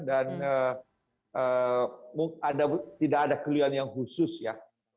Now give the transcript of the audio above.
dan tidak ada kelihatan yang khusus ya